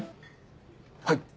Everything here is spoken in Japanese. はい。